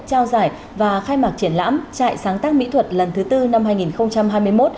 trao giải và khai mạc triển lãm trại sáng tác mỹ thuật lần thứ tư năm hai nghìn hai mươi một